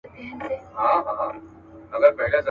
له پلرونو له نيكونو موږك خان يم.